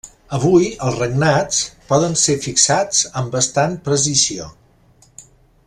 Avui, els regnats poden ser fixats amb bastant precisió.